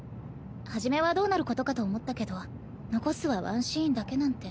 始めはどうなることかと思ったけど残すは１シーンだけなんて。